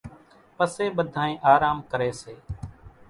پسي ٻڌانئين آرام ڪري سي